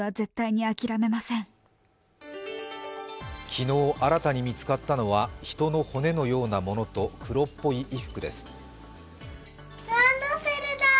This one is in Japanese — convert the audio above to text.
昨日新たに見つかったのは、人の骨のようなものと黒っぽい衣服です。